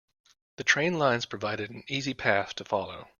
The train lines provided an easy path to follow.